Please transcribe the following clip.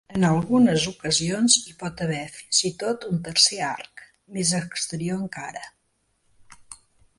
En algunes ocasions, hi pot haver fins i tot un tercer arc, més exterior encara.